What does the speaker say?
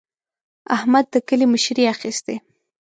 احمد د کلي مشري اخېستې.